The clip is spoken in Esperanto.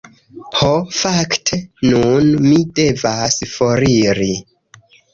"Ho fakte, nun mi devas foriri."